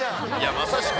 まさしく。